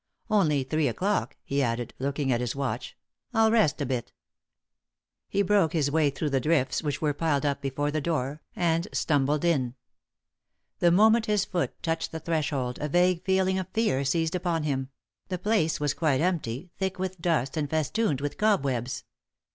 Only three o'clock," he added, looking at his watch. "I'll rest a bit." He broke his way through the drifts which were piled up before the door, and stumbled in. The moment his foot touched the threshold a vague feeling of fear seized upon him; the place was quite empty, thick with dust and festooned with cobwebs.